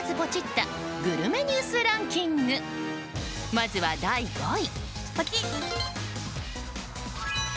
まずは第５位。